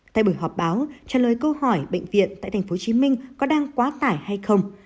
tại buổi họp báo trả lời câu hỏi bệnh viện tại tp hcm có đang quá tải hay không